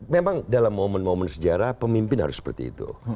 memang dalam momen momen sejarah pemimpin harus seperti itu